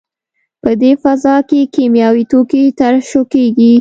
په دې فضا کې کیمیاوي توکي ترشح کېږي.